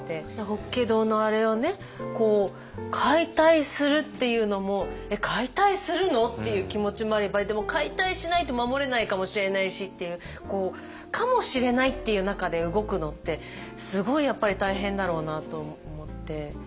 法華堂のあれをね解体するっていうのもえっ解体するの？っていう気持ちもあればでも解体しないと守れないかもしれないしっていう「かもしれない」っていう中で動くのってすごいやっぱり大変だろうなと思って。